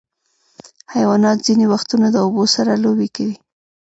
حیوانات ځینې وختونه د اوبو سره لوبې کوي.